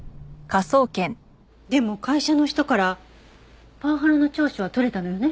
でも会社の人からパワハラの調書は取れたのよね？